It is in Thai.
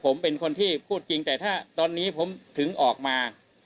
ผมเป็นคนที่พูดจริงแต่ถ้าตอนนี้ผมถึงออกมา